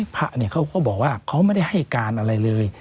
พระเนี่ยเขาก็บอกว่าเขาไม่ได้ให้การอะไรเลย